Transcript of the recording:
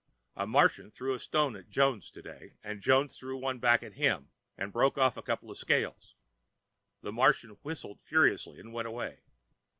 A Martian threw a stone at Jones today, and Jones threw one back at him and broke off a couple of scales. The Martian whistled furiously and went away.